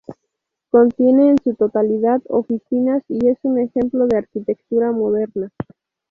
Contiene en su totalidad oficinas, y es un ejemplo de arquitectura moderna.